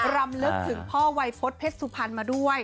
รำลึกถึงพ่อวัยพฤษเพชรสุพรรณมาด้วย